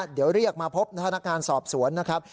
เดี๋ยวเรียกมาพบพนักงานสอบสวนนะครับ